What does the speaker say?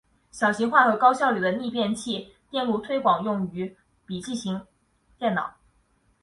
小型化和高效率的逆变器电路推广用于笔记型电脑。